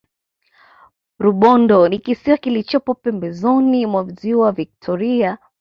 rubondo ni kisiwa kilichopo pembezoni mwa ziwa victoria